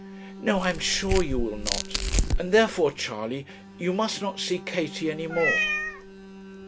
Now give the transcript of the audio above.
'No I am sure you will not. And therefore, Charley, you must not see Katie any more.'